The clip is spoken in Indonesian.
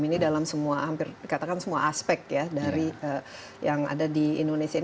ini dalam hampir semua aspek yang ada di indonesia